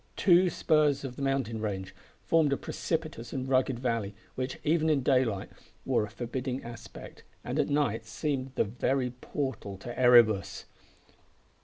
Two spurs of the mountain range formed a precipitous and rugged valley which, even in daylight, wore a forbidding aspect, and at night seemed the very portal to Erebus.